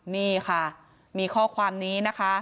นี่ค่ะมีข้อความนี้นะคะ